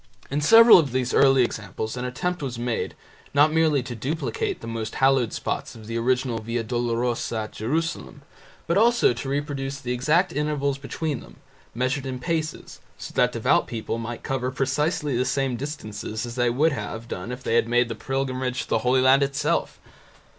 In several of these early examples an attempt was made, not merely to duplicate the most hallowed spots of the original Via Dolorosa at Jerusalem, but also to reproduce the exact intervals between them, measured in paces, so that devout people might cover precisely the same distances as they would have done had they made the pilgrimage to the Holy Land itself.